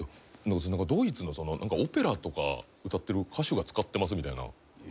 ドイツのオペラとか歌ってる歌手が使ってますみたいな。